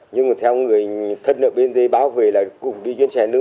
nhưng mà theo người thân ở bên đây báo về là cùng đi chuyến xe nước